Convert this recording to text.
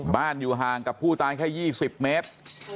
อยู่ห่างกับผู้ตายแค่๒๐เมตร